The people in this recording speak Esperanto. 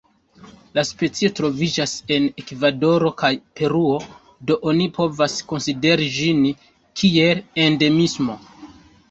La specio troviĝas en Ekvadoro kaj Peruo, do oni povas konsideri ĝin kiel endemismo.